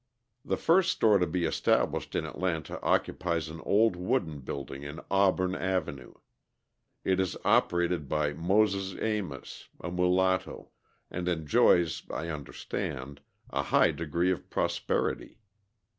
The first store to be established in Atlanta occupies an old wooden building in Auburn Avenue. It is operated by Moses Amos, a mulatto, and enjoys, I understand, a high degree of prosperity.